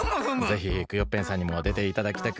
ぜひクヨッペンさんにもでていただきたく。